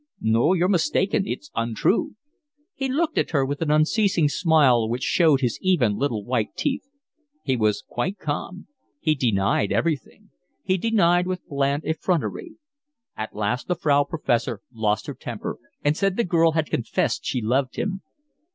"No, you're mistaken. It's untrue." He looked at her with an unceasing smile, which showed his even, little white teeth. He was quite calm. He denied everything. He denied with bland effrontery. At last the Frau Professor lost her temper and said the girl had confessed she loved him.